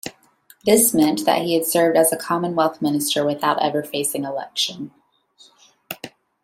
This meant that he had served as a Commonwealth Minister without ever facing election.